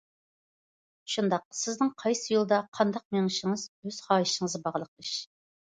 شۇنداق، سىزنىڭ قايسى يولدا، قانداق مېڭىشىڭىز، ئۆز خاھىشىڭىزغا باغلىق ئىش.